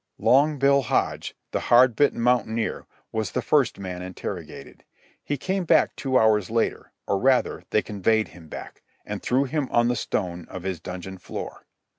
Long Bill Hodge, the hard bitten mountaineer, was the first man interrogated. He came back two hours later—or, rather, they conveyed him back, and threw him on the stone of his dungeon floor.